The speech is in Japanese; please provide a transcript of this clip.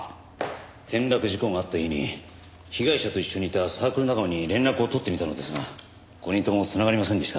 転落事故があった日に被害者と一緒にいたサークル仲間に連絡を取ってみたのですが５人とも繋がりませんでした。